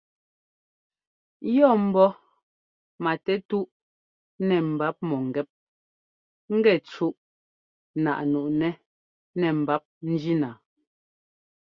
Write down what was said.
Yɔ́ ḿbɔ́ matɛtúꞌ nɛ mbap mɔ̂ŋgɛ́p ŋgɛ cúꞌ náꞌ nuꞌnɛ́ nɛ mbap njína.